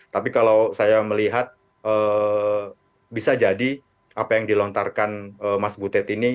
tapi kalau saya melihat bisa jadi apa yang dilontarkan mas butet ini